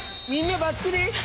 みんなばっちり？